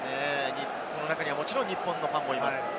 その中にはもちろん日本のファンもいます。